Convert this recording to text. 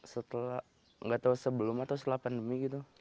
setelah nggak tahu sebelum atau setelah pandemi gitu